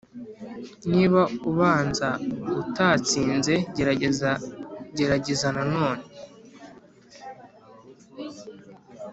niba ubanza utatsinze, gerageza, gerageza nanone.